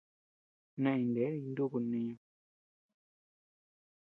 Neʼey ney nukun mniñu.